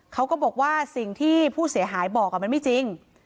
เขาก็บอกว่าสิ่งที่ผู้เสียหายบอกมันไม่จริง